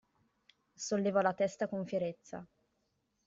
Sollevò la testa con fierezza.